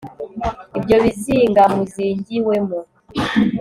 ibyo bizinga muzingiwemo